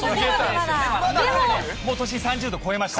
もう都心３０度超えました。